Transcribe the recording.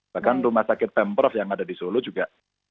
bahkan rumah sakit pemprov yang ada di solo juga